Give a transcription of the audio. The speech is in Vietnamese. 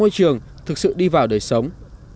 môi trường thực sự đi vào đời sống